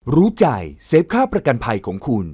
รู้ใจเซฟค่าประกันภัยของคุณ